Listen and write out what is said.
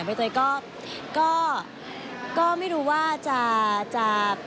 ใบเตยก็ไม่รู้ว่าจะ